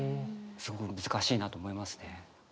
すごく難しいなと思いますね。